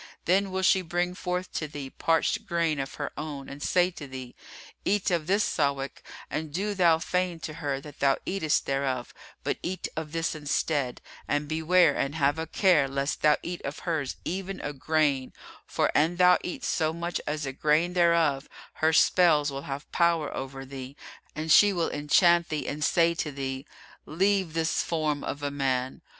Then will she bring forth to thee parched grain of her own and say to thee, 'Eat of this Sawík; and do thou feign to her that thou eatest thereof, but eat of this instead, and beware and have a care lest thou eat of hers even a grain; for, an thou eat so much as a grain thereof, her spells will have power over thee and she will enchant thee and say to thee, 'Leave this form of a man.